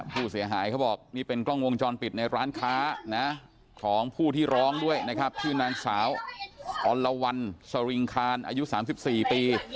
เขาบอกนี่เป็นกล้องวงจรปิดในร้านค้านะของผู้ที่ร้องด้วยนะครับชื่อนางสาวอรวรรณสริงคานอายุ๓๔ปี